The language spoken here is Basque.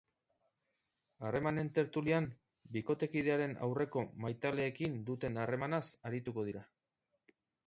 Harremanen tertulian, bikotekidearen aurreko maitaleekin duten harremanaz arituko dira.